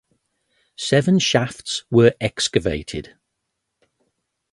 Seven shafts were excavated.